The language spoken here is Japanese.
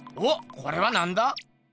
これはなんだ？